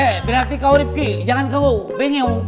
eh berarti kau rifqi jangan kau bengong